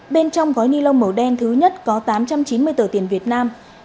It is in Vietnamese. bên trong gói ni lông màu đen thứ nhất có tám trăm chín mươi tờ tiền việt nam